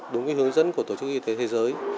đúng hướng dẫn của tổ chức y tế thế giới